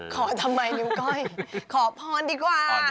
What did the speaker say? ทำไมนิ้วก้อยขอพรดีกว่า